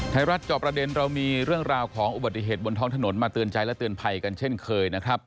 จอบประเด็นเรามีเรื่องราวของอุบัติเหตุบนท้องถนนมาเตือนใจและเตือนภัยกันเช่นเคยนะครับ